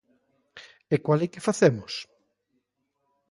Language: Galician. ¿E coa lei que facemos?